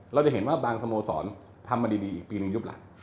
เราจะเห็นว่าบางสโมสรทำมาดีอีกปีนึงยุบหลัง